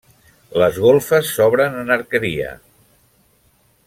Les golfes s'obren en arqueria.